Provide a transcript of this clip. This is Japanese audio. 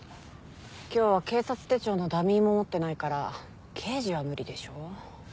今日は警察手帳のダミーも持ってないから刑事は無理でしょ。